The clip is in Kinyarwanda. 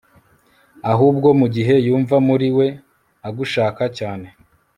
ahubwo mu gihe yumva muri we agushaka cyane